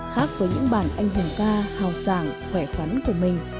khác với những bản anh hùng ca hào sàng khỏe khoắn của mình